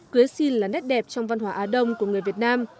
cưới xin là nét đẹp trong văn hóa á đông của người việt nam